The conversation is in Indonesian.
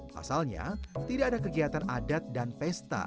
pasalnya tidak ada kegiatan adat dan pesta